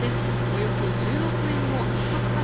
およそ１０億円の持続化